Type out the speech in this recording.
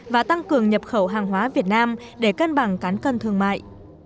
và tăng cường nhập khẩu hàng hóa việt nam để cân bằng cán cân thương mại